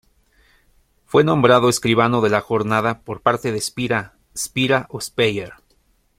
Fue nombrado escribano de la jornada por parte de Espira, "Spira" o "Speyer".